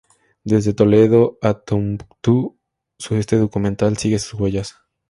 Desde Toledo a Tombuctú, este documental sigue sus huellas.